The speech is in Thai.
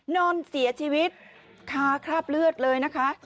นอนเสียชีวิตคาคราบเลือดเลยนะคะ